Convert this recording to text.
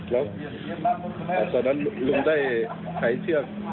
แล้วตอนนั้นลุงได้ใช้เชือก